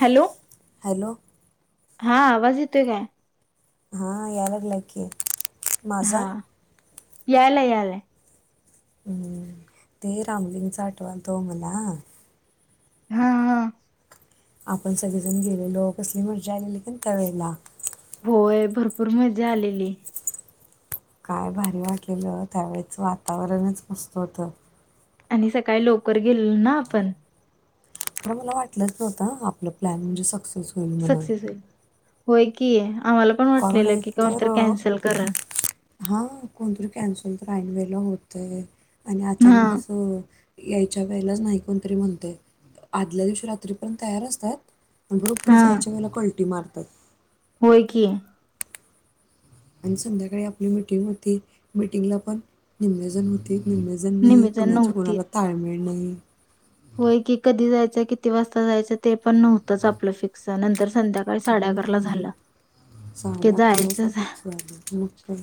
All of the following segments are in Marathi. Hello hello? हा आवाज येतोय काय? हा याय लागलाय की. माझा हा हम्म, यालाय, यालाय, हम्म.. ते रामलिंगचा आठवातो मला. हा, हा, आपण सगळेजण गेलेलो कसली मजा आलेली, कण त्यावेळेला- होय भरपूर मजा आलेली. काय भारीवा केलं त्यावेळेच वातावरणच मस्त होत आणि सकाळी लवकर गेल ना आपण- तर मला वाटलंच नव्हतं, आपलं प्लॅन म्हणजे सक्सेस होईल म्हणून. सक्सेस होईल होय की, आम्हाला पण कारण वाटलेलं की कोणत कॅन्सल करल- हा कोणतरी कॅन्सल तर ऐनवेळला होतंय आणि हा अचानक असं यायच्या वेळेला नाही कोणतरी म्हणतय, आदल्या दिवशी रात्री पर्यंत तयार असतात बरोबर हा जायच्या वेळेला कलटी मारतात. होय कि. आणि संध्याकाळी आपली मिटिंग होती, मिटिंगला पण निम्मेजण होती. निमेजन नाही निम्मीजण कोणाची नव्हतीत कोणाला ताळमेळ नाही. होय की कधी जायचं, किती वाजता जायचं ते पण नव्हतंच आपलं फिक्स नंतर संध्याकाळी साडे अकराला झालं की साडे अकरा वाजता जायचंच फिक्स झालं मग काय.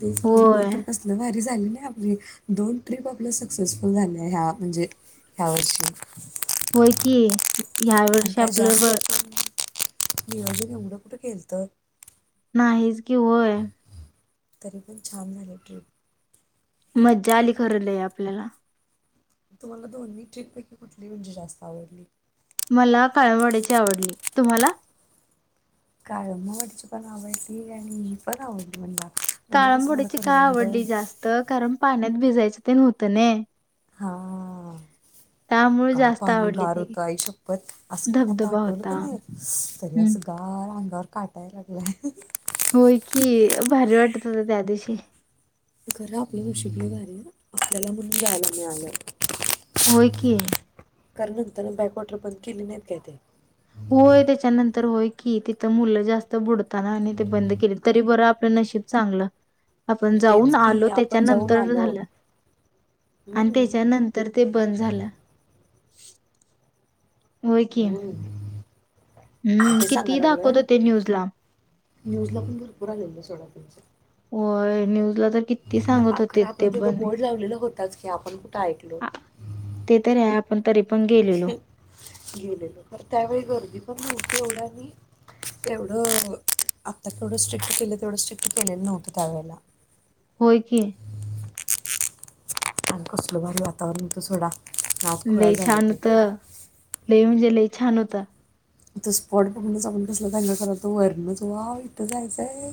तेच म्हंटल होय खर कसलं भारी झाली नई. आपली. दोन ट्रिप आपलं सक्सेसफुल झाली ह्या म्हणजे ह्या वर्षी. होय की ह्या वर्षी आपल् बर मी अजून एवढं कुठ केलंत. नाहीच की, होय. तरीपण छान झाली ट्रिप. मज्जा आली खर लय आपल्याला. तुम्हाला दोन्ही ट्रिप पैकी, कुठली म्हणजे जास्त आवडली? मला काळंवाड्याची आवडली. तुम्हाला? काळम वाडीची पण आवडली आणि पण आवडली मला. म्हणजे कसं काळमवाडीची का करवंद आवडली जास्त कारण, पाण्यात भिजायचं तेन होत नई. हा. त्या काय पाणी गार होत आई शपथ, असं कणी आता धबधबा आठवलं का होता. नाही, तरी हं. असं गार अंग वर काटा यायलागलाय. होय की, भारी वाटत होत त्या दिवशी. खरां आपल नशीब लई भारी ह, आपल्याला म्हणून जायला मिळालं. होय की. कारन नंतरन बॅकवॉटर बंद केली नाहीत काय ते. होय त्याच्यानंतर होय की, तिथं मुलं जास्त बुडताना आणि ते बंद केली तरी बरं आपल् नशीब चांगलं आपण मग जाऊन तेच की आलो, त्याच्या आपण जाऊन नंतर आलो झालं. आणि हम्म. त्याच्यानंतर ते बंद झालं. हो कि. हम्म. हम्म किती दाखवत होते न्यूज ला. न्यूज ला पण भरपूर आलेलं सोडा त्याचं. होय, न्यूज ला तर किती सांगत होते, ते पण. आताच की आपण कुठं ऐकलो. ते तर आहे आपण तरी पण गेलेलो गेलेल. त्यावेळी गर्दी पण नव्हती एवढं आणि तेवढं आता केवढं स्ट्रिक्ट केलं, तेवढं स्ट्रिक्ट केलेलं नव्हतं त्यावेळेला. होय कि. कसलं भारी वातावरण होत सोडा. नाच खोळा लई झालं छान ते होत. लई म्हणजे लई छान होतं. तो स्पॉट बघूनच आपण कसला दंगा करालतो वरनच, वाव इथ जायचंय.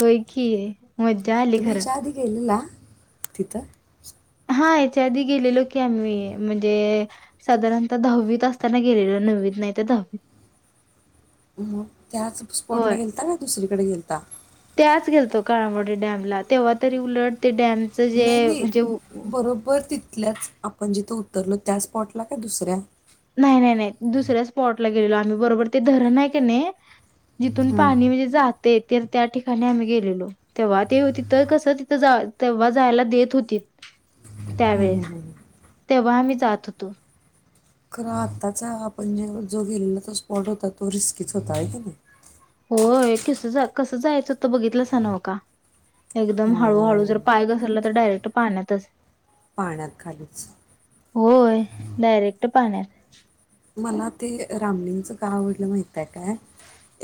होय की. मज्जा आली तुम्ही खरं याच्या आधी गेलेला तिथं? हा हेच्या आधी गेलेलो की आम्ही म्हणजे साधारणता दहावीत असताना गेलेलो नववीत नाही तर दहावीत. [inaudible] मग त्याच स्पॉटला होय गेलता काय दुसरीकड गेलता. त्याच गेलतो काळमवाडी डॅमला. तेव्हा तरी उलट ते डॅमच नाही जे नाही म्हणजे बरोबर तिथल्याच आपण जिथं उतरलो, त्या स्पॉटला काय दुसऱ्या? नाही नाही नाही दुसऱ्या स्पॉटला गेलेलो आम्ही बरोबर ते धरण आहे का नाही जिथून हां पाणी म्हणजे जाते तर त्या ठिकाणी आम्ही गेलेलो तेव्हा ते होते तिथं कसं जावं तेव्हा जायला देत होतीत ह, ह, ह, तेव्हा आम्ही जात होतो खरं आताचा आपण जे जो गेलेला तो स्पॉट होता तो रिस्कीच होता आहे की नाही होय कि कसा जायचं ते बघितलं नव का एकदम हळूहळू होय जर पाय घसरला तर डायरेक्ट पाण्यातच पाण्यात खालीच होय डायरेक्ट पाण्यात मला ते रामलिंग का आवडलं माहित आहे काय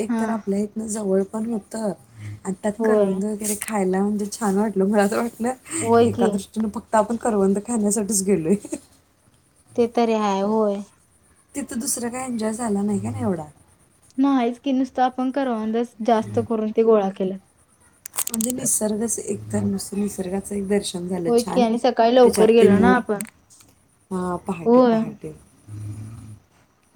एक हा तर आपल्या इथून जवळ पण होत आतात होय करवंद वगैरे खायला म्हणजे छान वाटल मला वाटत ना होय एका की दृष्टीने आपण करवंद खाण्यासाठीच गेलो ते तरी हाय होय तिथं दुसरं काय एन्जॉय झाला नाही का ना एवढा नाहीच की नुसतं आपण करवंदच जास्त करून ते गोळा केले म्हणजे निसर्गाच एक तर नुसत निसर्गाचे एक दर्शन मंग झालं होय की छान आणि सकाळी त्याच्यात लवकर ते गेलो ना मोर आपण मग पहाटे होय पहाटे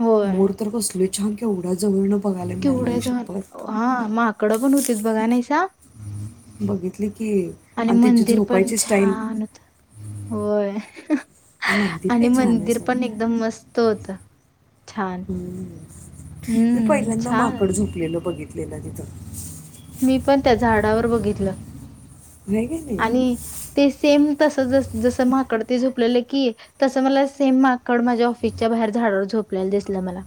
होय मोर तर कसली छान केवढ्या जवळ न केवढ जन हा माकड पण होती बघा निशा बघितली की आणि त्याची मंदिर पण झोपायची स्टाईल छान होत होय मंदिर आणि काय छान आहे मंदिर सर पण एकदम मस्त होत मी हम्म, पहिल्यांदा छान. माकड झोपलेलं बघितलेलं तिथं मी पण त्या झाडावर बघितलं होय का नाही आणि ते सेम तस जस माकड ते झोपलेले की तसं मला सेम माकड माझ्या ऑफिसच्या बाहेर झाडवर झोपले तपल्याला दिसलं मला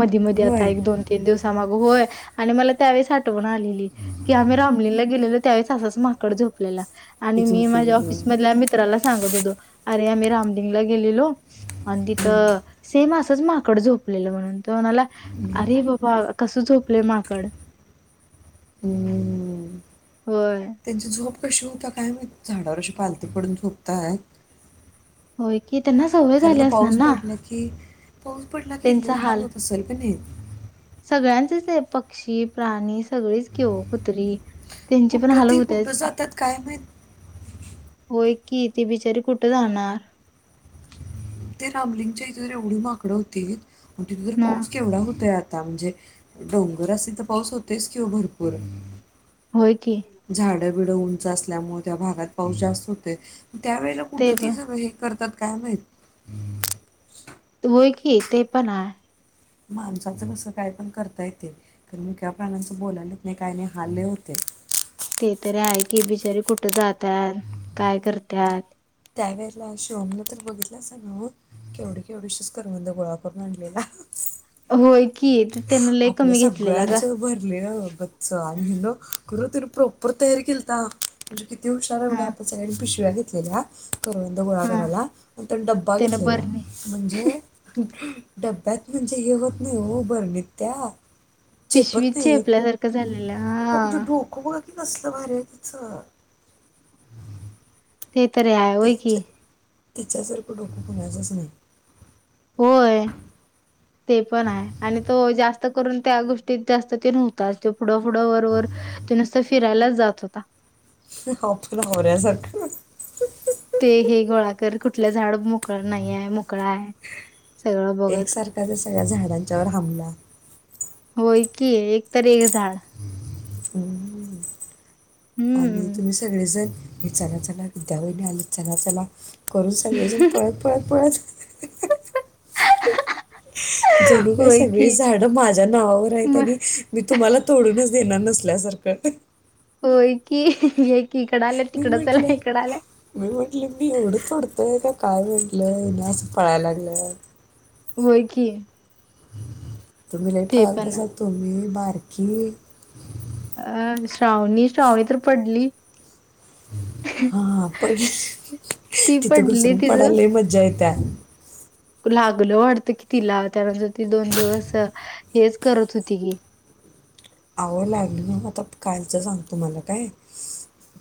मधी मधी आता होय एक दोन तीन दिवसा माग होय आणि मला त्यावेळेस आठवण आलेल आम्ही रामलीलाला गेलेलो त्यावेळेस असंच माकड झोपलेलं केला आणि मी माझ्या झोपलेलं ऑफिसमधल्या मित्राला सांगतो अरे आम्ही रामलिंगला गेलेलो आणि हम्म. तिथं सेम असंच माकड झोपलेलं तू म्हणाला अरे बाबा कसं झोपले माकड हुं, हुं, हु होय. त्यांची झोप कशी होता काय झाडावर असं पालथ पडून झोपताय होय की त्यांना सवय खरं झाली तर असणार पाऊस ना पडला की पाऊस पडल्यावर किती हाल होत असेल की नाही सगळ्यांचेच आहे पक्षी प्राणी सगळीच घेऊ कुत्री त्यांची पण कुठं हलत ती होतेच कुठं की जातात काय माहित हो एक कि ती बिचारी कुठे जाणार ते रामलिंगच्या इथे एवढी माकडं होती प तिथे ज ना पाऊस केवढा होतोय आता म्हणजे डोंगर अस तर पाऊस होतेच किं भरपूर होय कि बड उंच असल्यामुळे त्या भागात पाऊस जास्त होत त्या वळेला कुठ ते पण हे करतात कामद होय की ते पण आहे माणसाचं कस काय पण करता येते कारण मी का प्रानांचं बोलायलेच नाही काय नाही हलले होते [unintelligible] ते तरी आहे कि बिचारीे कुठे जातात काय करतात त्यावेेळेला शिवम न तर बघितलं स ना केवढी केवढीशीच करवध गोळा करून आणलेला होय की त्यान लय आपल्या कमी घेतलेला ग सगळ्यांच भरले बचच आणि न तु प्रॉपर तयारी केलता म्हणजे किती उषार आहे बघा हा आपल्या साड पिशव्या घेतलेल्या करंद गोळा हा करायला आणि त्यानी डब्बा त्यान घेतलेला बरणी म्हणजे डब्यात म्हणजे हे होत नाही हो बरणीत त्या पिशवीत चिपनते चेपल्यासारखं झालेलं ख म्हजे हा डुक वते कसलं भर तिचं ते तररीे आहे वय की त्याच्या तिच्यासारखं डोकं कणाचच नाही होय ते पण आहे आणि तो जास्त करून त्या गोष्टीत जास्त ते नव्हत पुढं फुढं वरर ते नुसता फिरायलाच जात होता आपफला होर्या सख ते हे गोळाकर कुठले झाड मोकळ नाही आहे मोकळा आहे सगळं बघत. एकसारखा त्या सगळ्या झाडांच्यावर हमला होय की एक तर एक झाड हम् आणि हम्म. तुम्ही सगळेजण हे चना चला विद्याभहिनी आ चना चला करून सगळेजण पळत पळत पळत हो जणू काय होय सगळी की झाडं माझ्या नावावर आहेत म आणि मी तुम्हाला तोडूनच देणार नसल्यासारखं हो की की इकडं आलं मी तिकडं चला म्हटलं इकडं आलाय मी म्हटलं मी एवढं तोडतय का काय म्हटलंय नाही अस पळायला लागले होय कि तुम्ही र पा कसं तु्ही बारकी अ श्रावणी श्रावणी तर पडली हा पण ती तिथं पडली घसरून तिचं पडायला मज्जा येत कत्ता लागलं वाटत कि तिला त्यानंतर ती दोन दिवस हेच करत होती की आवं लागल म आता कालच सांग तु मला काय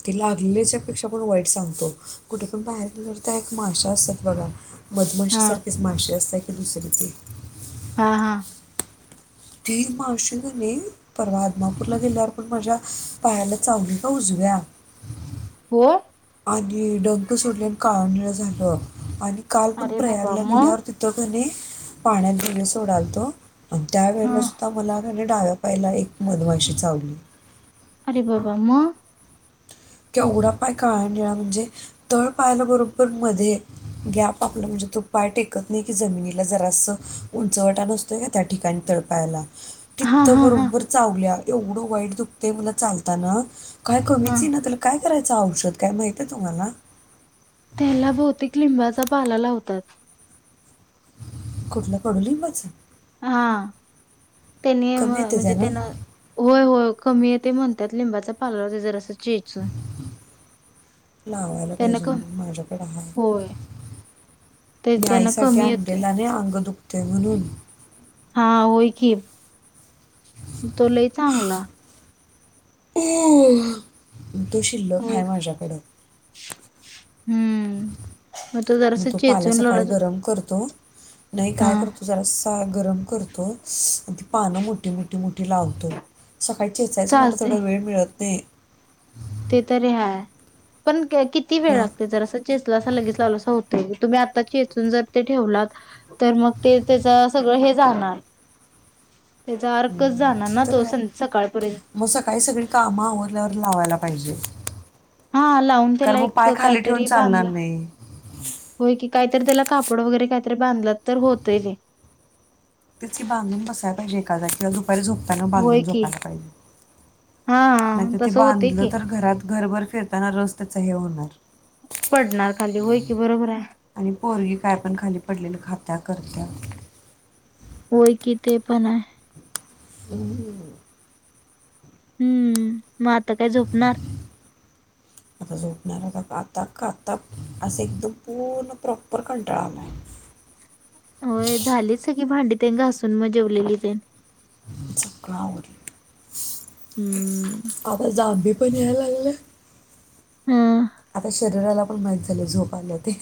तेी लागल्याच्या पेक्षा पण वाईट सांगतो कुठे पण बाहेर गे तर एक माशा असतात बघा हा मधमाशीसारखेच मासे असते आहे की दुसरी ते हा हा त माशी नाही परवा आदमापूरला गेल्यावर पण माझ्या पायाला चचावली का उजव्या ह हो आणि डंग सोडलेन काळणीळ झालं आणि काल पण अरे बाबा प्रयागला मग गेल्यावर तिथं घणी पाण्यात जिले सोडालतो आणि हा त्यावेेळेला सुद्धा मला डाव्या पायला एक मधमाशी चावली अरे बाबाम एडा पाय म्हणजे तळ पायल्या बरोबर मध्ये गॅप आपला म्हणजे तो पा टेकत नाही की जमिनीला जरास उंचवटा नसतोय का त्या ठिकाणी तडपायला हा कित्त हा हा बरोबर चावल्या एवढं वाईट दुखतेय मला चालताना काय हा कमीच आहे ना तर काय करायचं औषध काय माहित आहे तुम्हाला त्याला भौतिक लिंबाचा पाला लावतात कुठला कडू लिंबाच हा त्यांनी कमी येते म्हणजे त्यानं त्यांना होय हो कमी येत ते म्हणतात लिंबाचा पालर ते जर असं चेचून लावायला त्यान पाहिजे क म्हणून माझ्याकडे आहेा होय ते त्यांना नईसाठी कमी येतोय आणडेलाने अंग दुखते म्हणून हा होय की तोलाय चांगला तो शिल्लक होय काय माझ्याकडं हम्म मग तो जरास पाला चेचवून सकाळी लढत हो, गरम करतो नाही काय करतू जरा सांग. गरम करतो त पानं मोठी मोठी मोठी लावतो. सकाळचे येचायचं म्हणतं चालतय थोडं वेळ मिळत नाही, ते तरी हय पण किती वेळ हं लागते जरं चेचलं अस लगेच लावलं अस होत. तुम्ही आता चेचून जर ते ठेवलात तर मग ते त्याच सगळं हे जाणार [unintelligible] त्याचा अर्कच जाणार हम्म ना तर तो ह सं सकाळपर्यंत मग सकाळी-सगळी कामं आवरल्यावर लावायला हा लावून कार त्याला मग एक पाय खाली ठेवून काहीतरी चालणार बांधला नाही होय की काहीतरी त्याला कापड वगैरे काहीतरी बांधलात तर होत, तेच की बांधून बसायला पाहिजे एखादा किंवा दुपारी झोपताना होय बांधून की झोपायला पाहिजे हा नाहीतर ते तसं होतय बांधलं की तर घरात घरभर फिरताना रस त्याच हे होणार पडणार खाली होय की बरोबर आहे. [inaudible] आणि पोरगी काय पण खाली पडले न खाता करत [inaudible] होय कि ते पण आहे, ह, हम्म मग आता काय झोपणार [inaudible] आता झोपणार आ खातक खात असं एकदम पूर्ण प्रॉपर कंटाळालाय [inaudible] होय झाली सगी भांडी ते घासून मग जेवले के ते, संगळ आवरल हम्म आता जाग बनलागलं, हम्, आता शरीराला पण माहीत झाले झोप आलं ते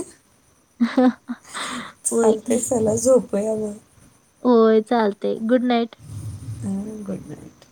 ह, चालत चला झोप आहे म होय चालते गुड नाईट, गुड नाईट,